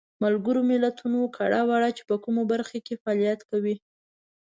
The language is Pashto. ملګرو ملتونو کړه وړه چې په کومو برخو کې فعالیت کوي.